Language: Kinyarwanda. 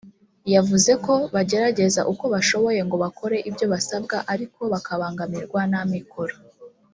yavuze ko bagerageza uko bashoboye ngo bakore ibyo basabwa ariko bakabangamirwa n’amikoro